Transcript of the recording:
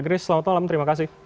grace selamat malam terima kasih